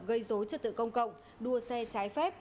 gây dối trật tự công cộng đua xe trái phép